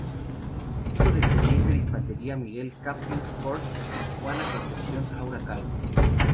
Hijo del teniente de Infantería Miguel Campins Cort y Juana Concepción Aura Calvo.